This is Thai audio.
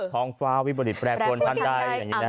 ทองฟ้าวิบดิตแรกคนอันไดอย่างนี้นะ